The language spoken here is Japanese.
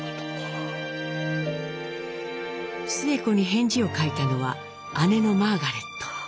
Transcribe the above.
スエ子に返事を書いたのは姉のマーガレット。